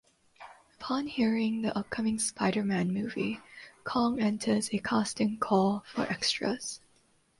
Upon hearing about the upcoming "Spider-Man" movie, Kong enters a casting call for extras.